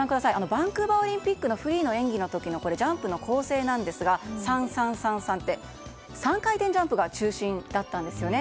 バンクーバーオリンピックのフリーの演技の時のジャンプの構成ですが３、３、３、３と３回転ジャンプが中心だったんですよね。